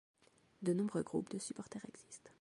De nombreux groupes de supporters existent.